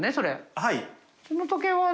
はい。